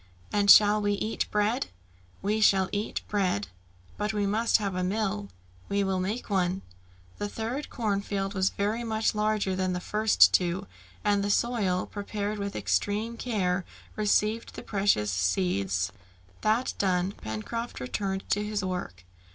"And shall we eat bread?" "We shall eat bread." "But we must have a mill." "We will make one." The third cornfield was very much larger than the two first, and the soil, prepared with extreme care, received the precious seed. That done, Pencroft returned to his work.